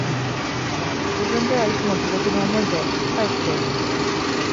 自分ではいつも地獄の思いで、かえって、